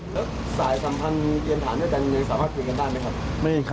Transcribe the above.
แล้วสายสัมพันธ์เรียนฐานด้วยกันสามารถคุยกันได้ไหมครับ